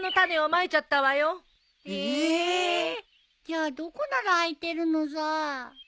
じゃあどこなら空いてるのさ。